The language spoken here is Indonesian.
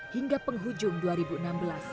hingga penghujung dua ribu enam belas